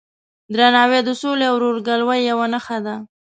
درناوی د سولې او ورورګلوۍ یوه نښه ده.